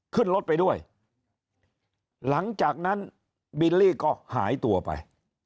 ขึ้นรถไปด้วยหลังจากนั้นบิลลี่ก็หายตัวไป